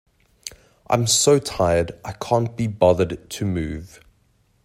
I'm so tired, I can't be bothered to move.